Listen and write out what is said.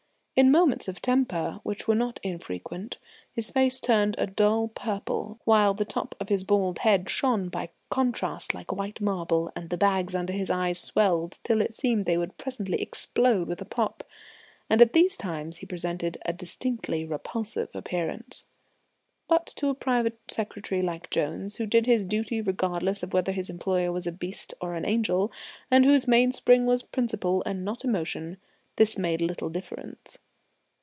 In moments of temper, which were not infrequent, his face turned a dull purple, while the top of his bald head shone by contrast like white marble, and the bags under his eyes swelled till it seemed they would presently explode with a pop. And at these times he presented a distinctly repulsive appearance. But to a private secretary like Jones, who did his duty regardless of whether his employer was beast or angel, and whose mainspring was principle and not emotion, this made little difference.